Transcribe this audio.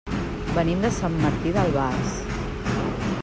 Venim de Sant Martí d'Albars.